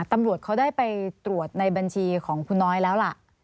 ตำรวจเขาได้ไปตรวจในบัญชีของคุณน้อยแล้วล่ะ